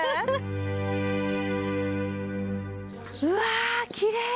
うわきれい！